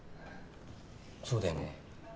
そうだよね。